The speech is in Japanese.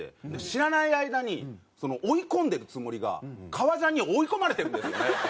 知らない間に追い込んでるつもりが革ジャンに追い込まれてるんですよね。